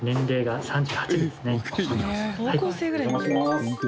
高校生ぐらいに見える。